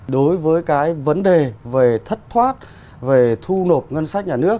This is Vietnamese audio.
đối với cái vấn đề về thất thoát về thu nộp ngân sách nhà nước